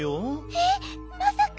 えっまさか！